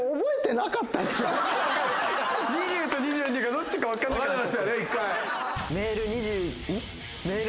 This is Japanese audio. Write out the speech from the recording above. ２０と２２がどっちか分かんなくなっちゃった。